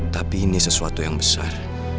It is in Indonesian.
tapi ini sesuatu yang besar